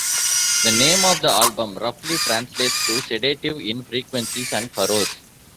The name of the album roughly translates to sedative in frequencies and furrows.